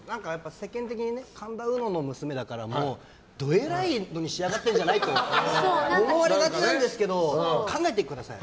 世間的に神田うのの娘だからどえらい子に仕上がってるんじゃないかと思われがちなんですけど考えてください。